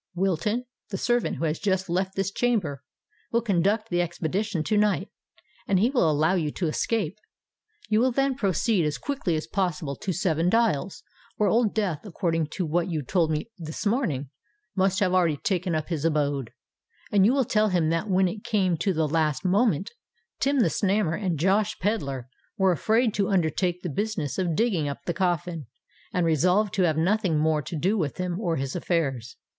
Wilton—the servant who has just left this chamber—will conduct the expedition to night; and he will allow you to escape. You will then proceed as quickly as possible to Seven Dials, where Old Death, according to what you told me this morning, must have already taken up his abode;—and you will tell him that when it came to the last moment, Tim the Snammer and Josh Pedler were afraid to undertake the business of digging up the coffin, and resolved to have nothing more to do with him or his affairs.